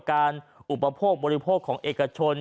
อุปโภคบริโภคของเอกชน